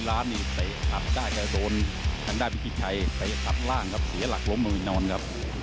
อันนี้ใช้เมลตาจอห์ระเข้เขียวนะครับ